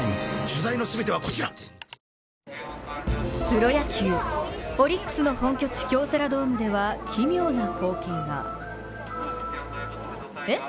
ＪＴプロ野球、オリックスの本拠地京セラドームでは、奇妙な光景が。え？